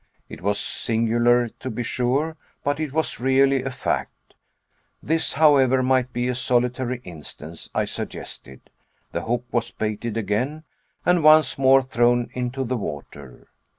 It was singular, to be sure, but it was really a fact. This, however, might be a solitary instance, I suggested. The hook was baited again and once more thrown into the water.